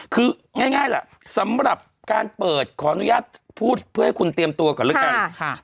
คือง่ายแหละสำหรับการเปิดขออนุญาตพูดเพื่อให้คุณเตรียมตัวก่อนแล้วกัน